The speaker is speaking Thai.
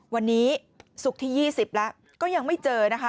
วันนี้ศุกร์ที่๒๐แล้วก็ยังไม่เจอนะคะ